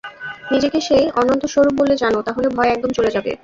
নিজেকে সেই অনন্তস্বরূপ বলে জান, তা হলে ভয় একদম চলে যাবে।